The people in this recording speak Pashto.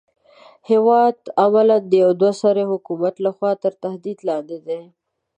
هېواد عملاً د يوه دوه سري حکومت لخوا تر تهدید لاندې دی.